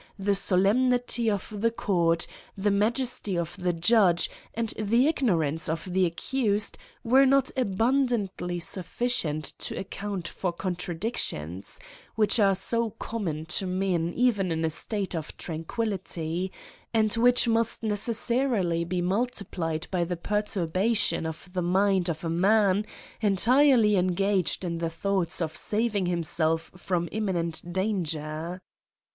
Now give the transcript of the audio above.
the solemnity of the court, the majesty of the judge, and the ignorance of the accused, were not abundantly sufficient to account for contradictions^ which are so common to men even in a state of tranquillity, and which must ne cessarily be multiplied by the perturbation of the mind of a man entirely engaged in the thoughts of Saving himself from imminent danger.